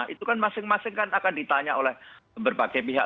itu kan masing masing kan akan ditanya oleh berbagai pihak